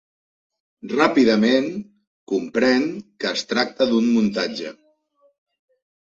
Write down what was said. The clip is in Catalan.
Ràpidament, comprèn que es tracta d'un muntatge.